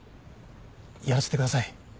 やらせてください。